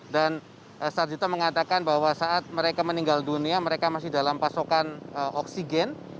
dan sarjito mengatakan bahwa saat mereka meninggal dunia mereka masih dalam pasokan oksigen